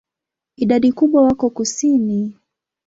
Idadi kubwa wako kusini.